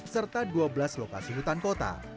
serta dua belas lokasi hutan kota